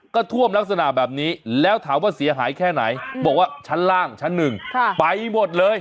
ก็ท่วมลักษณะแบบนี้แล้วถามว่าเสียหายแค่ไหนบอกว่าชั้นล่างชั้นหนึ่งไปหมดเลย